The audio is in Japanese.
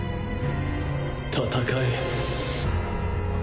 戦え。